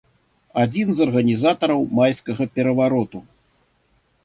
Адзін з арганізатараў майскага перавароту.